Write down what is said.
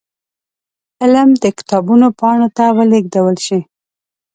علم د کتابونو پاڼو ته ولېږدول شي.